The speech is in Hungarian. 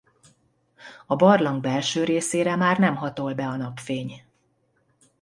A barlang belső részére már nem hatol be a napfény.